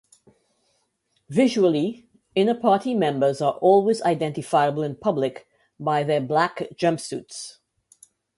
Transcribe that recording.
Visually, Inner Party members are always identifiable in public by their black jumpsuits.